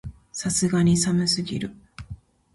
さすがに寒すぎる